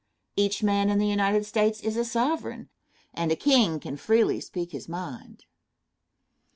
Each man in the United States is a sovereign, and a king can freely speak his mind.